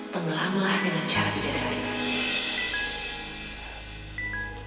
tenggelamlah dengan cara bidadari